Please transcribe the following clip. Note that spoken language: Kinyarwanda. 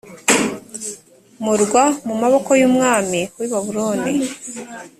murwa mu maboko y umwami w i babuloni